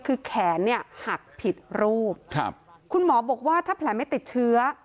คือแขนเนี่ยหักผิดรูปครับคุณหมอบอกว่าถ้าแผลไม่ติดเชื้อ